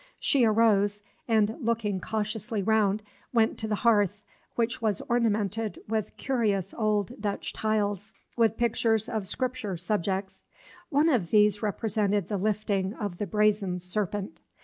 She arose, and, looking cautiously round, went to the hearth, which was ornamented with curious old Dutch tiles, with pictures of Scripture subjects. One of these represented the lifting of the brazen serpent.